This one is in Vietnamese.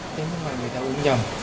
tuyên mại người ta uống nhầm